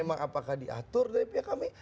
emang apakah diatur dari pihak kami